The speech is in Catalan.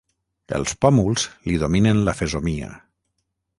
Els pòmuls li dominen la fesomia.